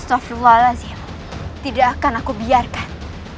astagfirullahaladzim tidak akan aku biarkan